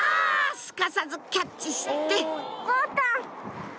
すかさずキャッチしてうん？